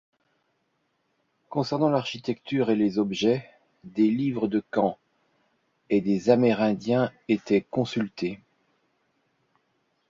Concernant l'architecture et les objets, des livres de camps et des amérindiens étaient consultés.